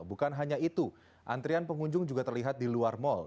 bukan hanya itu antrian pengunjung juga terlihat di luar mal